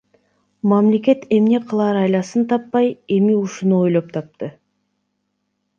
Мамлекет эмне кылаар айласын таппай, эми ушуну ойлоп тапты.